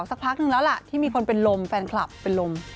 สักพักนึงแล้วล่ะที่มีคนเป็นลมแฟนคลับเป็นลม